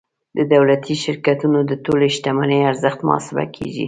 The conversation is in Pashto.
د دولتي شرکتونو د ټولې شتمنۍ ارزښت محاسبه کیږي.